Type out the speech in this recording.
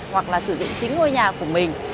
hoặc là xử dụng chính ngôi nhà của mình